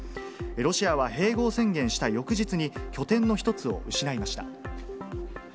ロシアは併合宣言した翌日に拠点の一つを失いました。